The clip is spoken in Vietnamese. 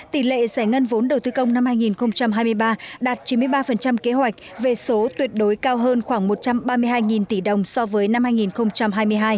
tỷ lệ giải ngân vốn đầu tư công năm hai nghìn hai mươi ba đạt chín mươi ba kế hoạch về số tuyệt đối cao hơn khoảng một trăm ba mươi hai tỷ đồng so với năm hai nghìn hai mươi hai